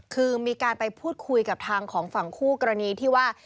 คือมีการไปพูดคุยกับทางของฝั่งคู่กรณีที่ว่า